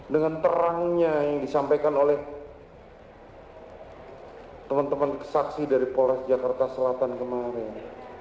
dengan terangnya yang disampaikan oleh teman teman saksi dari polres jakarta selatan kemarin